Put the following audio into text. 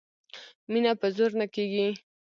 مینه په زور نه کیږي